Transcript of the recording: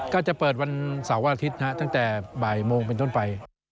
ก็จะเปิดวันเสาร์วันอาทิตย์ตั้งแต่บ่ายโมงเป็นต้นไป